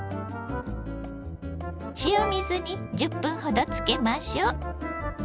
塩水に１０分ほどつけましょう。